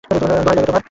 দোহাই লাগে দাড়াও।